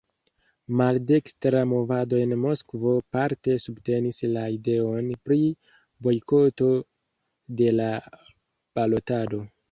Maldekstra movado en Moskvo parte subtenis la ideon pri bojkoto de la balotado.